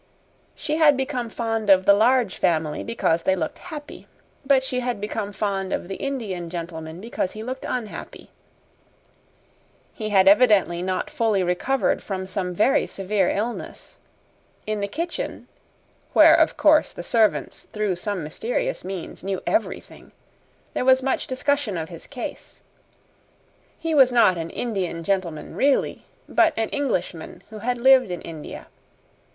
She had become fond of the Large Family because they looked happy; but she had become fond of the Indian gentleman because he looked unhappy. He had evidently not fully recovered from some very severe illness. In the kitchen where, of course, the servants, through some mysterious means, knew everything there was much discussion of his case. He was not an Indian gentleman really, but an Englishman who had lived in India.